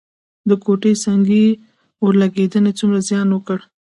د کوټه سنګي اورلګیدنې څومره زیان وکړ؟